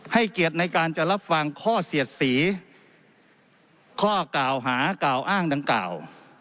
เกียรติในการจะรับฟังข้อเสียดสีข้อกล่าวหากล่าวอ้างดังกล่าว